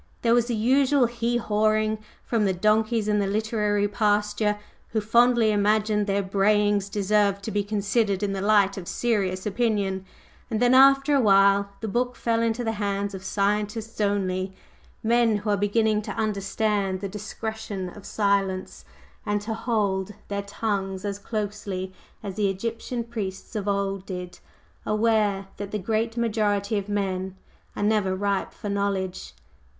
There was the usual "hee hawing" from the donkeys in the literary pasture, who fondly imagined their brayings deserved to be considered in the light of serious opinion; and then after a while the book fell into the hands of scientists only, men who are beginning to understand the discretion of silence, and to hold their tongues as closely as the Egyptian priests of old did, aware that the great majority of men are never ripe for knowledge.